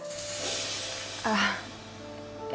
ini cuma pokoknya